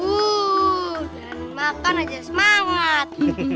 wuuu jangan makan aja semangat